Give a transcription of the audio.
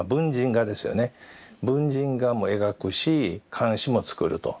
文人画も描くし漢詩も作ると。